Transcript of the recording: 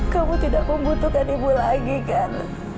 kamu tidak membutuhkan ibu lagi kan